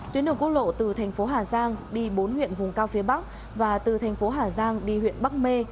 tuyến đường quốc lộ từ thành phố hà giang đi bốn huyện vùng cao phía bắc và từ thành phố hà giang đi huyện bắc mê